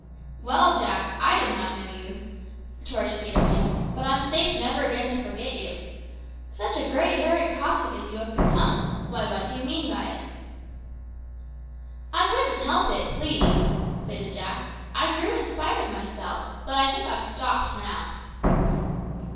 "Well, Jack, I did not know you," retorted Peterkin, "but I'm safe never again to forget you. Such a great hairy Cossack as you have become! Why, what do you mean by it?" "I couldn't help it, please," pleaded Jack; "I grew in spite of myself; but I think I've stopped now."